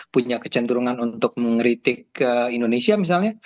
punya kecenderungan untuk mengkritik indonesia misalnya